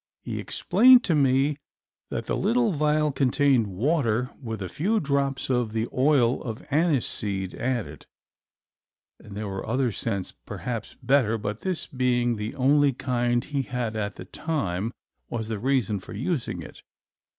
He explained to me that the little vial contained water, with a few drops of the oil of anisseed added, and there were other scents perhaps better, but this being the only kind he had at that time was the reason for using it.